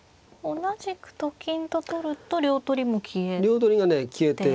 同じくと金と取ると両取りも消えて。